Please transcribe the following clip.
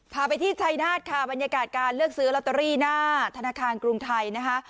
พาไปที่ชัยนาธค่ะบรรยากาศการเลือกซื้อลอตเตอรี่หน้าธนาคารกรุงไทยนะคะ